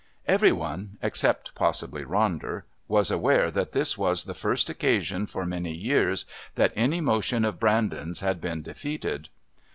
Every one, except possibly Ronder, was aware that this was the first occasion for many years that any motion of Brandon's had been defeated....